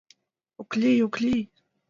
«Ок лий, ок лий!»